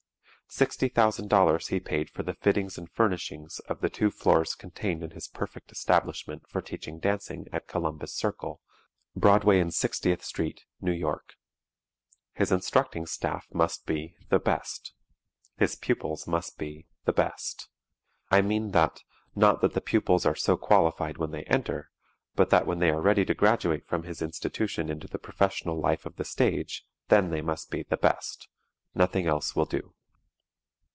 Sixty thousand dollars he paid for the fittings and furnishings of the two floors contained in his perfect establishment for teaching dancing at Columbus Circle, Broadway and Sixtieth Street, New York. His instructing staff must be "the best." His pupils must be "the best." I mean by that, not that the pupils are so qualified when they enter, but that when they are ready to graduate from his institution into the professional life of the stage, then they must be "the best"; nothing else will do.